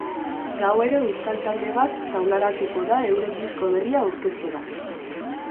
Gauero euskal talde bat taularatuko da euren disko berria aurkeztera.